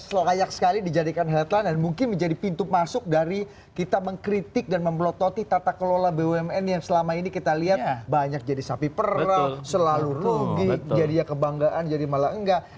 lo kayak sekali dijadikan headline dan mungkin menjadi pintu masuk dari kita mengkritik dan memelototi tata kelola bumn yang selama ini kita lihat banyak jadi sapi perah selalu rugi jadinya kebanggaan jadi malah enggak